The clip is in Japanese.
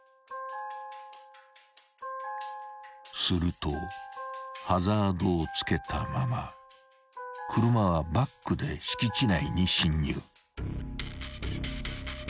［するとハザードをつけたまま車はバックで敷地内に侵入］